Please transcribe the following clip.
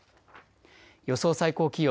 予想最高気温。